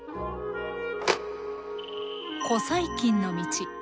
古細菌の道。